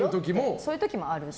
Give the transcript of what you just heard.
そういう時もあるって。